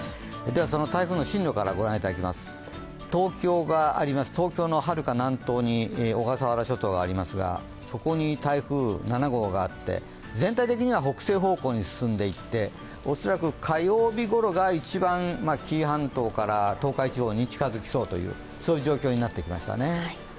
台風の進路からご覧いただきます、東京のはるか南東に小笠原諸島がありますがそこに台風７号があって全体的には北西方向に進んでいって、恐らく火曜日ごろが一番、紀伊半島から東海地方に近づきそうという状況になってきましたね。